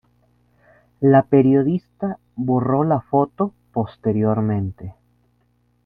La periodista borró la foto posteriormente.